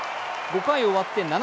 ５回終わって７−３。